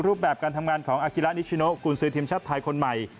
รูปแบบการทำงานของอากิระนิชโนกุญศือทีมชาติไทยคนใหม่